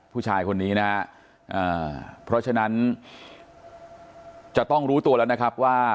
ผู้ชายคนนี้นะฮะเพราะฉะนั้นจะต้องรู้ตัวแล้วนะครับว่า